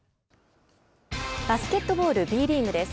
バスケットボールＢリーグです。